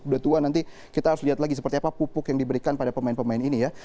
udah tua nanti kita harus lihat lagi seperti apa pupuk yang diberikan pada pemain pemain ini ya